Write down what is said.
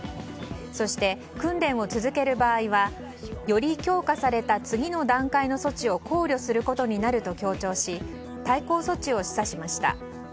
そして、訓練を続ける場合はより強化された次の段階の措置を考慮することになると強調し対抗措置を示唆しました。